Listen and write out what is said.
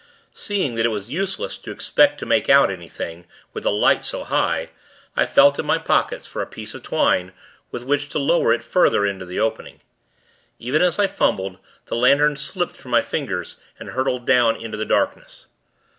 Seeing that it was useless to expect to make out anything, with the light so high, I felt in my pockets for a piece of twine, with which to lower it further into the opening. Even as I fumbled, the lantern slipped from my fingers, and hurtled down into the darkness.